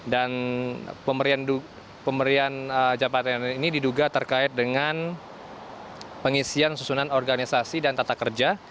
dan pemerian jabatan ini diduga terkait dengan pengisian susunan organisasi dan tata kerja